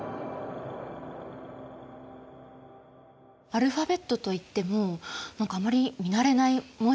アルファベットといっても何かあまり見慣れない文字ですね。